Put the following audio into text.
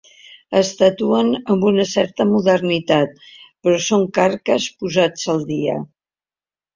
Es tatuen amb una certa modernitat, però són carques posats al dia.